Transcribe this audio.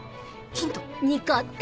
ヒント。